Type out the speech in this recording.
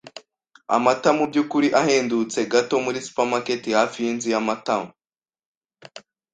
Amata mubyukuri ahendutse gato muri supermarket hafi yinzu ya Matama.